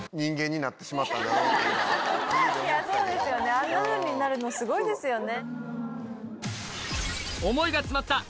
あんなふうになるのすごいですよね。